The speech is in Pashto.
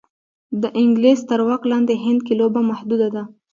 د انګلیس تر واک لاندې هند کې لوبه محدوده ده.